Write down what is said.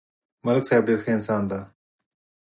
ملک صاحب ډېر ښه انسان دی